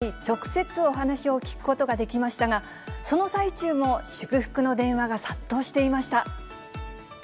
私たちは、発表直後のカリコ博士に直接お話を聞くことができましたが、その最中も、祝福の電話が殺到していました。